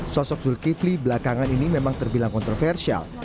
sosok zulkifli belakangan ini memang terbilang kontroversial